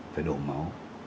phải đổ máu